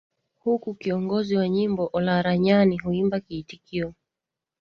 huku kiongozi wa nyimbo Olaranyani huimba kiitikio